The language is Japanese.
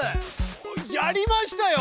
やりましたよ！